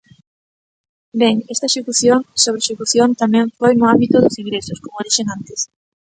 Ben, esta execución, sobreexecución, tamén foi no ámbito dos ingresos, como dixen antes.